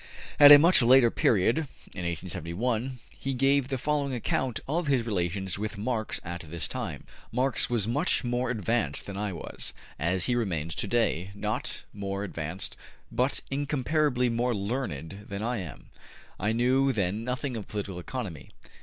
At a much later period, in 1871, he gave the following account of his relations with Marx at this time: Marx was much more advanced than I was, as he remains to day not more advanced but incomparably more learned than I am. I knew then nothing of political economy.